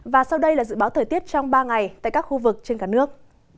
và sau đây là dự báo thời tiết trong ba ngày tại các khu vực trên cả nước